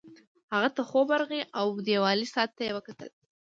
هغه ته خوب ورغی او دیوالي ساعت ته یې وکتل